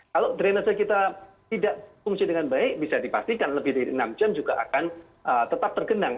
kalau drenase kita tidak fungsi dengan baik bisa dipastikan lebih dari enam jam juga akan tetap tergenang